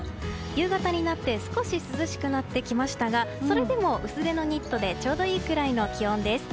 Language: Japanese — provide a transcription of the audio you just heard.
夕方になって少し涼しくなってきましたがそれでも薄手のニットでちょうどいいぐらいの気温です。